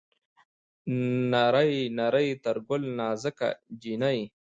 نرۍ نرى تر ګل نازکه جينۍ